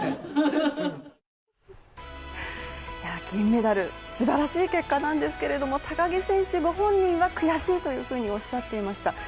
銀メダル、すばらしい結果なんですけれども高木選手御本人は悔しいというふうにおっしゃっていました。